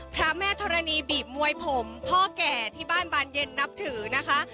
พระแม่ธรณีบีบมวยผมพ่อแก่ที่บ้านบานเย็นนับถือนะคะ